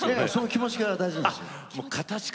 気持ちが大事です。